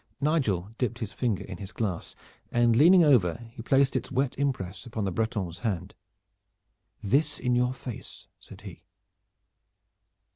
Nigel dipped his finger in his glass and leaning over he placed its wet impress on the Breton's hand. "This in your face!" said he.